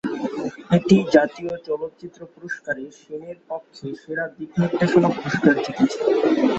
এটি জাতীয় চলচ্চিত্র পুরস্কারে সেনের পক্ষে সেরা দিকনির্দেশনা পুরস্কার জিতেছে।